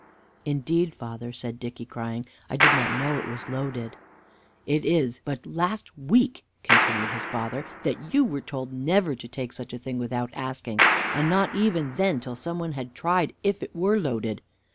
"Indeed, father," said Dicky, crying, "I did not know it was loaded." "It is but last week," continued his father, "that you were told never to take such a thing without asking, and not even then till some one had tried if it were loaded.